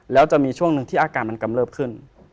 แล้วจะมีช่วงหนึ่งที่อาการมันกำเริบขึ้น